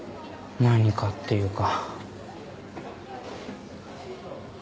何かっていうか。